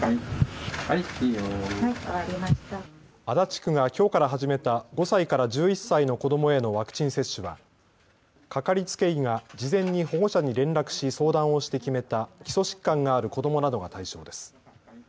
足立区がきょうから始めた５歳から１１歳の子どもへのワクチン接種はかかりつけ医が事前に保護者に連絡し相談をして決めた基礎疾患がある子どもなどが対象です。